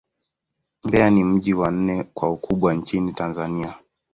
Mbeya ni mji wa nne kwa ukubwa nchini Tanzania.